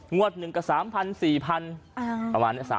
งวด๑กับ๓๐๐๐๔๐๐๐ประมาณ๓๐๔๐ใบนะ